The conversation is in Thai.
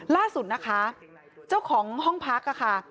ล่าสุดนะคะเจ้าของห้องพักค่ะ